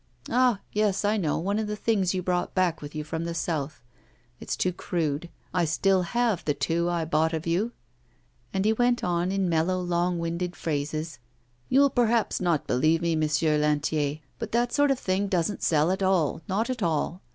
Ah! yes, I know, one of the things you brought back with you from the South. It's too crude. I still have the two I bought of you.' And he went on in mellow, long winded phrases. 'You'll perhaps not believe me, Monsieur Lantier, but that sort of thing doesn't sell at all not at all.